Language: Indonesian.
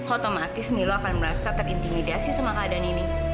otomatis milo akan merasa terintimidasi sama keadaan ini